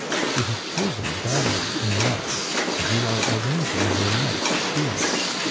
You have chosen badly in love, and you are arranging your life ill.